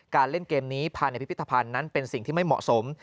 เล่นเกมนี้ภายในพิพิธภัณฑ์นั้นเป็นสิ่งที่ไม่เหมาะสม